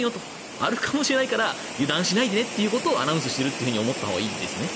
あるかもしれないから油断しないでねということをアナウンスしていると思ったほうがいいですね。